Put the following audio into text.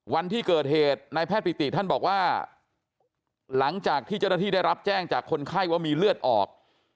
วันที่เกิดเหตุนายแพทย์ปิติท่านบอกว่าหลังจากที่เจ้าหน้าที่ได้รับแจ้งจากคนไข้ว่ามีเลือดออก